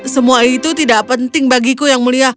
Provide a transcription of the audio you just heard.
semua itu tidak penting bagiku yang mulia